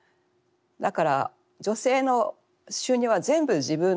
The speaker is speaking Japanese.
だから女性の収入は全部自分の小遣い。